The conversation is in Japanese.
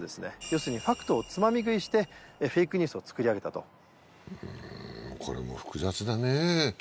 要するにファクトをつまみ食いしてフェイクニュースをつくりあげたとこれも複雑だね